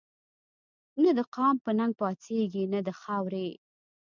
نه دقام په ننګ پا څيږي نه دخاوري